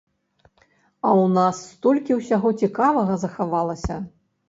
А ў нас столькі ўсяго цікавага захавалася!